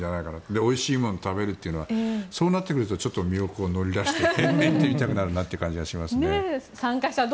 で、おいしいものを食べるというのはそうなってくるとちょっと身を乗り出して行ってみたくなるなと。